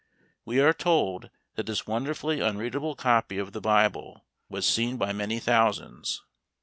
We are told that this wonderfully unreadable copy of the Bible was "seen by many thousands."